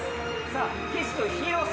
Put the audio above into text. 岸君広さ。